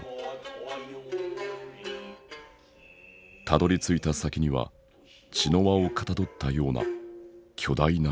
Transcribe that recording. たどりついた先には茅の輪をかたどったような巨大な鏡。